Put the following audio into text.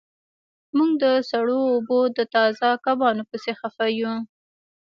موږ د سړو اوبو د تازه کبانو پسې خفه یو